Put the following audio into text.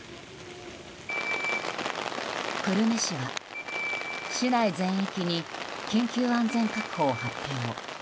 久留米市は市内全域に緊急安全確保を発表。